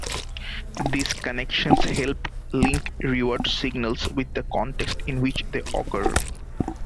These connections help link reward signals with the context in which they occur.